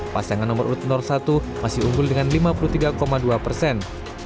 pasangan nomor urut satu masih unggul dengan lima puluh tiga dua persen